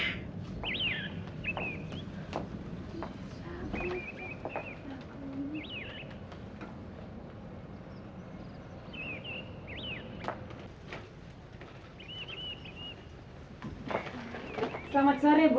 selamat sore bu